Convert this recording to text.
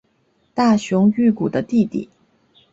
大熊裕司的弟弟。